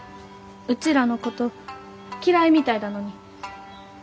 うちらのこと嫌いみたいだのに。